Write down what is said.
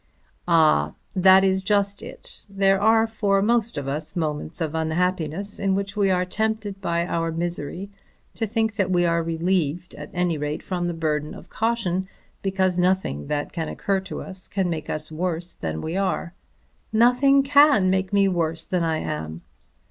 "Ah; that is just it. There are for most of us moments of unhappiness in which we are tempted by our misery to think that we are relieved at any rate from the burden of caution, because nothing that can occur to us can make us worse than we are." "Nothing can make me worse than I am."